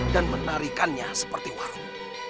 dan menarikannya seperti warung